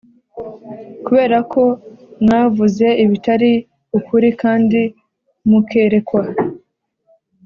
Kubera ko mwavuze ibitari ukuri kandi mukerekwa